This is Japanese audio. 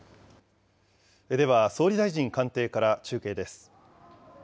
では、総理大臣官邸から中継です。